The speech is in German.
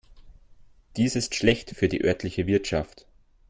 Dies ist schlecht für die örtliche Wirtschaft.